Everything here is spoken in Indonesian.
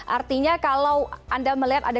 artinya kalau anda melihat ada